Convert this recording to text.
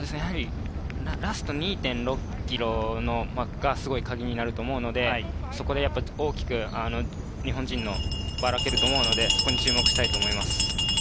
ラスト２．６ｋｍがカギになると思うので、そこで大きく日本人がばらけると思うので注目したいと思います。